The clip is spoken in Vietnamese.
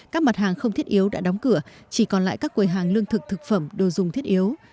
các mặt hàng không thiết yếu đã đóng cửa chỉ còn lại các quầy hàng lương thực thực phẩm đồ dùng thiết yếu